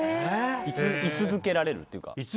居続けられるっていうか。